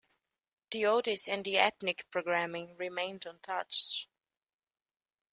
The oldies and ethnic programming remained untouched.